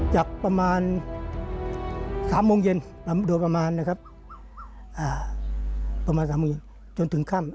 จากประมาณ๓โมงเย็นประมาณ๓โมงเย็นจนถึงข้าม